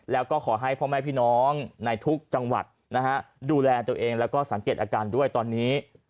แล้วก็ขอให้พ่อแม่พี่น้องในทุกจังหวัดนะฮะดูแลตัวเองแล้วก็สังเกตอาการด้วยตอนนี้